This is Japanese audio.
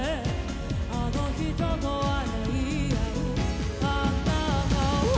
「あの人と笑い合うあなたを」